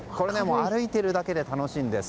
歩いているだけで楽しいんです。